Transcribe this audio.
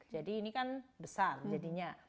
jadi ini kan besar jadinya